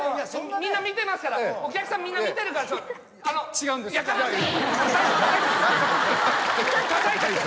みんな見てますからお客さんみんな見てるから。やかましい！